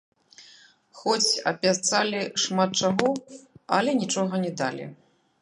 Хоць абяцалі шмат чаго, але нічога не далі.